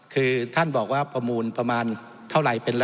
แล้วผมก็เลือกว่าประมูลเท่าไหร่เป็น